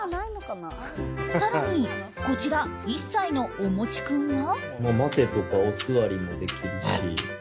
更に、こちら１歳のおもち君は。